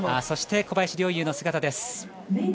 そして小林陵侑の姿です。